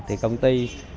thì công ty